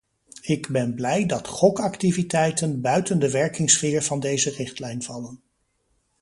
Ik ben blij dat gokactiviteiten buiten de werkingssfeer van deze richtlijn vallen.